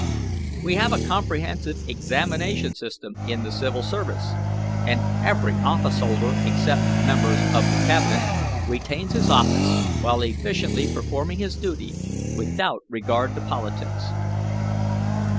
We have a comprehensive examination system in the civil service, and every officeholder, except members of the Cabinet, retains his office while efficiently performing his duty, without regard to politics.